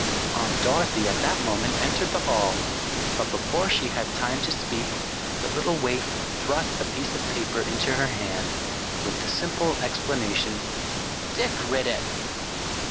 Aunt Dorothy at that moment entered the hall, but, before she had time to speak the little waif thrust a piece of paper into, her hand, with the simple explanation, "Dick writ it."